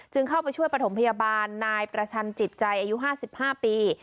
จึงเข้าไปช่วยประถมพยาบาลนายประชันจิตใจอายุห้าสิบห้าปี